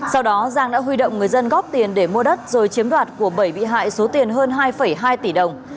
sau đó giang đã huy động người dân góp tiền để mua đất rồi chiếm đoạt của bảy bị hại số tiền hơn hai hai tỷ đồng